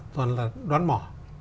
toàn là đoán mỏ